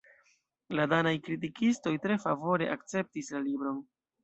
La danaj kritikistoj tre favore akceptis la libron.